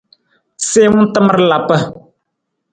Siwung tamar lapa.